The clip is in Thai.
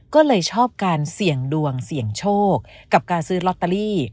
ก็เลยชอบการเสี่ยงดวงเสี่ยงโชคกับการซื้อลอตเตอรี่